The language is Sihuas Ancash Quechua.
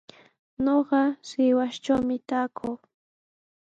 Ñuqa Sihuastrawmi taakuu.